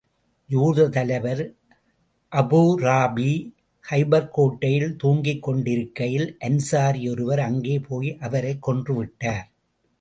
யூதர் தலைவர் அபூராபி கைபர் கோட்டையில் தூங்கிக் கொண்டிருக்கையில், அன்ஸாரி ஒருவர் அங்கே போய், அவரைக் கொன்று விட்டார்.